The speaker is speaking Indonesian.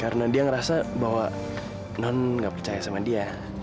karena dia ngerasa bahwa non gak percaya sama dia